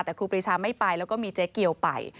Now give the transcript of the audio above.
แต่ครูปรีชาไม่ไปแล้วก็มีเจ๊เกียวไป